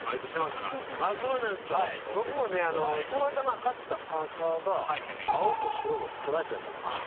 たまたま買ったパーカーが青と白のストライプやったんです